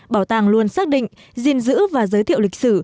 bảo tàng luôn xác định gìn giữ và giới thiệu lịch sử